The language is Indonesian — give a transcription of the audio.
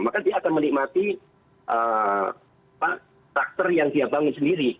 maka dia akan menikmati karakter yang dia bangun sendiri